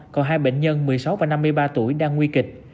còn hai bệnh nhân một mươi sáu và năm mươi ba tuổi đang nguy kịch